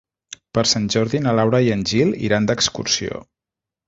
Per Sant Jordi na Laura i en Gil iran d'excursió.